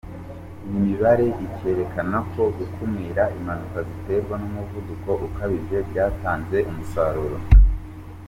Iyi mibare ikerekana ko gukumira impanuka ziterwa n’umuvuduko ukabije byatanze umusaruro.